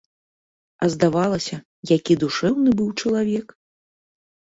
А здавалася, які душэўны быў чалавек!